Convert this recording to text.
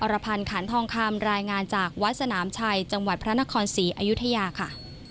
รพันธ์ขันทองคำรายงานจากวัดสนามชัยจังหวัดพระนครศรีอยุธยาค่ะ